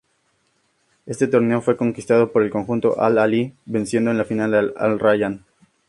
Este torneo fue conquistado por el conjunto Al-Alhi, venciendo en la final al Al-Rayyan.